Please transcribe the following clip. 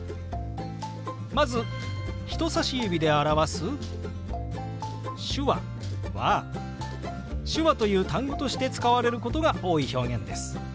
まず人さし指で表す「手話」は「手話」という単語として使われることが多い表現です。